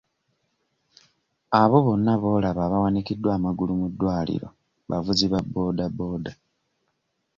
Abo bonna b'olaba abawanikiddwa amagulu mu ddwaliro bavuzi ba boda boda.